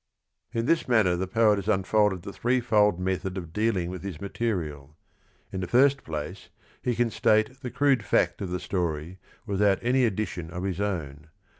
In this manner the poet has unfolded the three fold method of dealing with his material. In the first place he can state the "crude fact" of the story without any addition of his own.